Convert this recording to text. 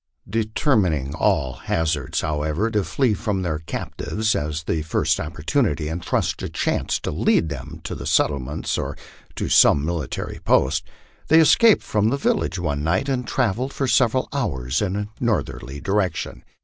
Determining at all hazards, however, to flee from their captors at the first opportunity, and trust to chance to lead them to the settlements or to some military post, they escaped from the village one night and travelled for several hours in a northerly direction.